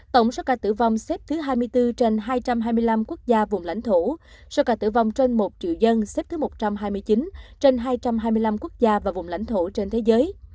tổng số ca tử vong xếp thứ hai mươi bốn trên hai trăm hai mươi năm quốc gia vùng lãnh thổ số ca tử vong trên một triệu dân xếp thứ một trăm hai mươi chín trên hai trăm hai mươi năm quốc gia và vùng lãnh thổ trên thế giới